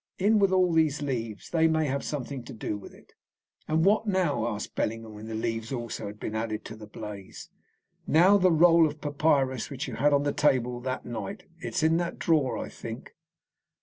In with all these leaves! They may have something to do with it." "And what now?" asked Bellingham, when the leaves also had been added to the blaze. "Now the roll of papyrus which you had on the table that night. It is in that drawer, I think."